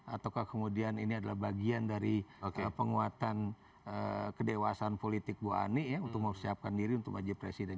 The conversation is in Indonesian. ataukah kemudian ini adalah bagian dari penguatan kedewasan politik ibu ani ya untuk mempersiapkan diri untuk maju presiden